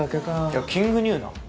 いやキングニューな。